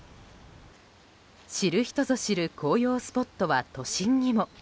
知る人ぞ知る紅葉スポットは都心にも。